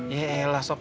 ya elah sok